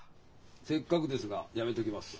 せっかくですがやめときます。